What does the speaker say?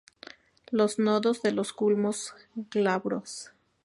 Los nodos de los culmos glabros.